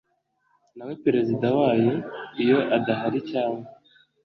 nawe Perezida wayo Iyo adahari cyangwa